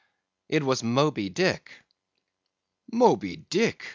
It was Moby Dick. "'Moby Dick!